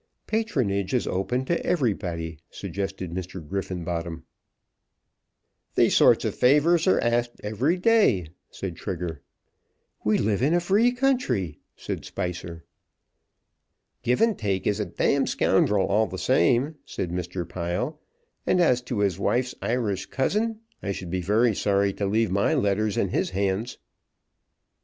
"Patronage is open to everybody," suggested Mr. Griffenbottom. "Those sort of favours are asked every day," said Trigger. "We live in a free country," said Spicer. "Givantake is a d scoundrel all the same," said Mr. Pile; "and as for his wife's Irish cousin, I should be very sorry to leave my letters in his hands."